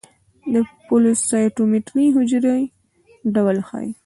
د فلو سايټومېټري حجرو ډول ښيي.